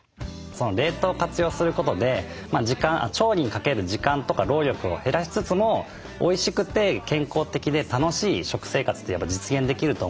冷凍を活用することで調理にかける時間とか労力を減らしつつもおいしくて健康的で楽しい食生活ってやっぱ実現できると思うんですね。